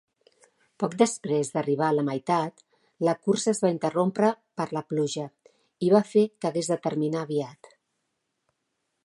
Poc després d'arribar a la meitat, la cursa es va interrompre per la pluja, i va fer que hagués de terminar aviat.